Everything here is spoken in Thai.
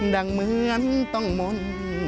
ดังเหมือนต้องมนต์